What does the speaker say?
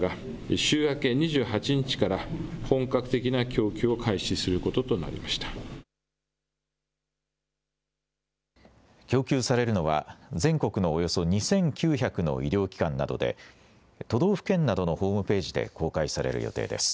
供給されるのは全国のおよそ２９００の医療機関などで都道府県などのホームページで公開される予定です。